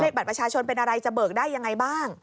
บัตรประชาชนเป็นอะไรจะเบิกได้ยังไงบ้าง